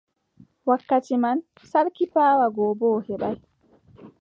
Wakkati man, sarki paawa go boo o heɓaay.